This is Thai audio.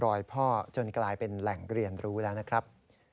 พ่อจนกลายเป็นแหล่งเรียนรู้แล้วนะครับ